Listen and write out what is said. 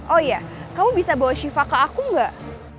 oh iya kamu bisa bawa siva ke aku gak